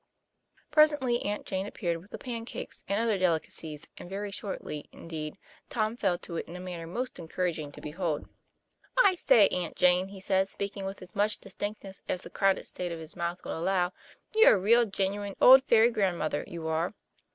Presently Aunt Jane appeared with the pancakes, and other delicacies, and very shortly, indeed, Tom fell to in a manner most encouraging to behold. ' I say, Aunt Jane," he said, speaking with as much distinctness as the crowded state of his mouth would allow, " you're a real genuine, old fairy grandmother, you are."